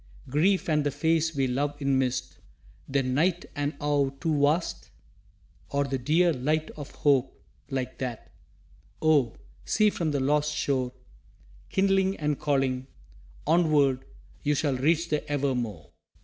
Grief and the face we love in mist Then night and awe too vast? Or the dear light of Hope like that, Oh, see, from the lost shore Kindling and calling "Onward, you Shall reach the Evermore!"